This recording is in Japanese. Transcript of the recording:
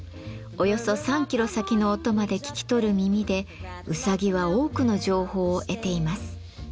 およそ３キロ先の音まで聞き取る耳でうさぎは多くの情報を得ています。